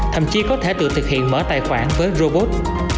thậm chí có thể tự thực hiện mở tài khoản với robot